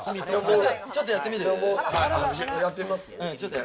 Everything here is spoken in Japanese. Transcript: ちょっとやってみる？